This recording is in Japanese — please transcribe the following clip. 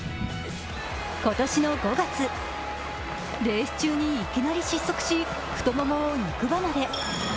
今年の５月、レース中にいきなり失速し太ももを肉離れ。